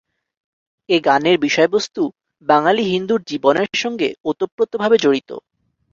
এ গানের বিষয়বস্ত্ত বাঙালি হিন্দুর জীবনের সঙ্গে ওতপ্রোতভাবে জড়িত।